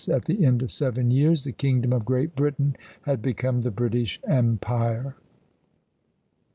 At the end of seven years the kingdom of Great Britain had become the British Empire.